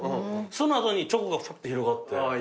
その後にチョコがふって広がって。